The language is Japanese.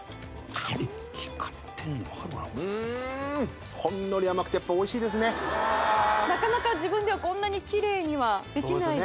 光ってんの分かるうんほんのり甘くてやっぱおいしいですねなかなか自分ではこんなにキレイにはできないです